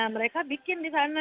mereka bikin di sana